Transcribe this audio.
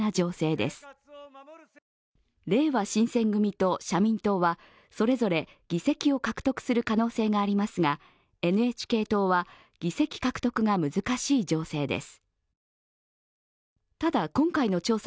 れいわ新選組と社民党は、それぞれ議席を獲得する可能性がありますが、ＮＨＫ党は議席獲得が難しい情勢です。